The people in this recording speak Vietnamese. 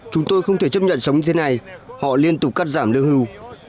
chúng tôi không thể chấp nhận sống như thế này họ liên tục cắt giảm lương hưu